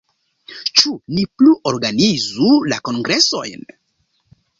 Ĉu ni plu organizu la kongresojn?